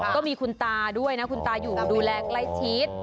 ก็มีคุณตาด้วยนะคุณตาอยู่ดูแลใกล้ชิด